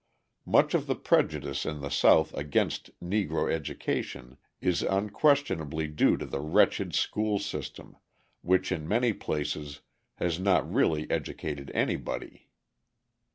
Much of the prejudice in the South against Negro education is unquestionably due to the wretched school system, which in many places has not really educated anybody.